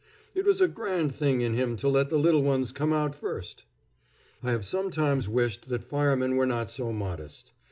"It was a grand thing in him to let the little ones come out first." I have sometimes wished that firemen were not so modest.